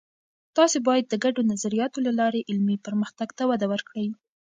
تاسې باید د ګډو نظریاتو له لارې علمي پرمختګ ته وده ورکړئ.